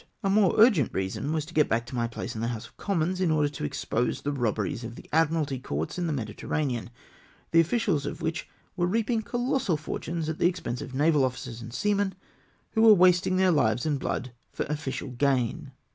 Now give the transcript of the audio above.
A more urgent reason was to get back to my place in the House of Commons, in order to expose the robberies of the Admiralty Courts in the Mediterranean, the officials of which were reaping colossal fortunes at the expense of naval officers and seamen, who were wasting their hves and blood for official gain